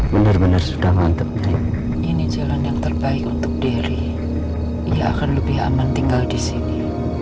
benar benar sudah mantep ini jalan yang terbaik untuk diri ia akan lebih aman tinggal di sini